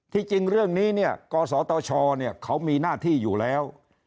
จริงเรื่องนี้เนี่ยกศตชเขามีหน้าที่อยู่แล้ว